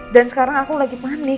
dan sekarang aku lagi panik